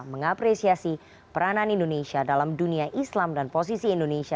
mengapresiasi peranan indonesia dalam dunia islam dan posisi indonesia